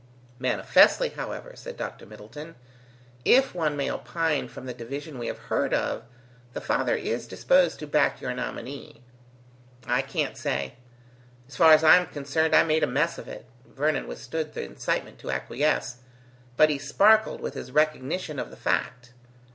"Manifestly, however," said Dr. Middleton, "if one may opine from the division we have heard of, the father is disposed to back your nominee." "I can't say; as far as I am concerned, I made a mess of it." Vernon withstood the incitement to acquiesce, but he sparkled with his recognition of the fact.